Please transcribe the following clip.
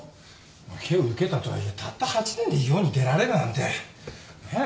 刑受けたとはいえたった８年で世に出られるなんてねえ